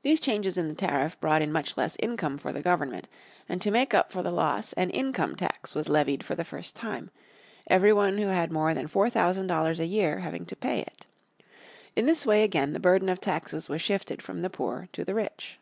These changes in the tariff brought in much less income for the government, and to make up for the loss an Income Tax was levied for the first time, everyone who had more than 4,000 dollars a year having to pay it. In this way again the burden of taxes was shifted from the poor to the rich.